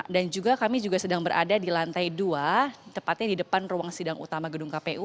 dan juga kami juga sedang berada di lantai dua tepatnya di depan ruang sidang utama gedung kpu